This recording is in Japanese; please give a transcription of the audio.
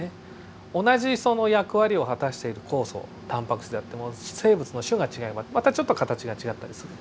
同じその役割を果たしている酵素タンパク質であっても生物の種が違えばまたちょっと形が違ったりする。